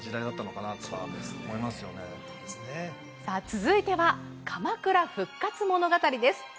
続いては鎌倉復活物語です